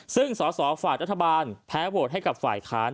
ซึ่งสอสอฝ่ายรัฐบาลแพ้โหวตให้กับฝ่ายค้าน